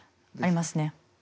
ありますね。